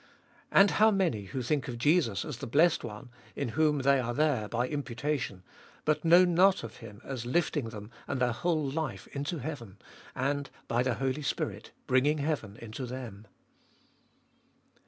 And how many who thinh of Jesus as the blessed One in whom they are there, by imputation, but know not of Him as lifting them and their whole life into heaven, and, by the Holy Spirit, bringing heaven Into them.